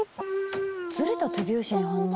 ずれた手拍子に反応？